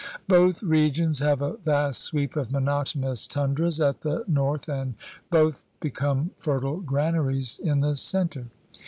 Both regions have a vast sweep of monotonous tundras at the north and both become fertile granaries in the center.